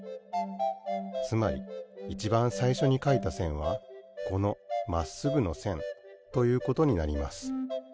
つまりいちばんさいしょにかいたせんはこのまっすぐのせんということになります。